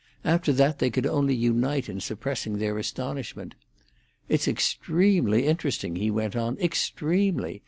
After that they could only unite in suppressing their astonishment. "It's extremely interesting," he went on, "extremely!